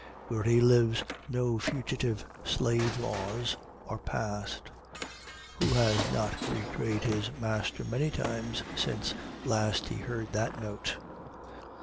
Where he lives no fugitive slave laws are passed. Who has not betrayed his master many times since last he heard that note?